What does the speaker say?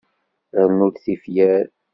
Rrnut tifyar.